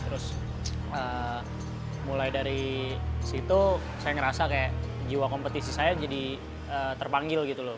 terus mulai dari situ saya ngerasa kayak jiwa kompetisi saya jadi terpanggil gitu loh